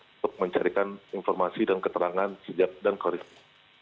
untuk mencarikan informasi dan keterangan dan koristik